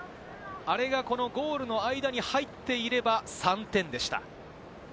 あれがこのゴールの間に入っていれば３点でした。